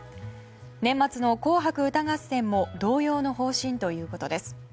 年末の「紅白歌合戦」も同様の方針ということです。